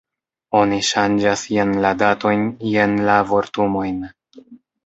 Oni ŝanĝas jen la datojn, jen la vortumojn.